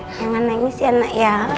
jangan nengis ya anak ya